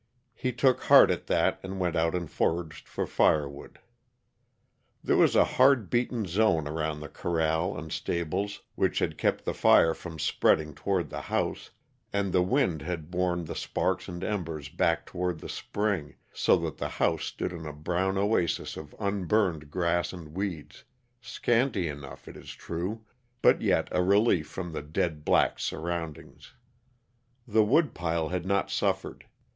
He took heart at that, and went out and foraged for firewood. There was a hard beaten zone around the corral and stables, which had kept the fire from spreading toward the house, and the wind had borne the sparks and embers back toward the spring, so that the house stood in a brown oasis of unburned grass and weeds, scanty enough, it is true, but yet a relief from the dead black surroundings. The woodpile had not suffered.